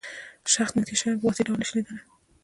شخص نږدې شیان په واضح ډول نشي لیدلای.